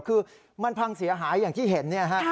คือมันพังเสียหายอย่างที่เห็น